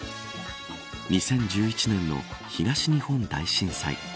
２０１１年の東日本大震災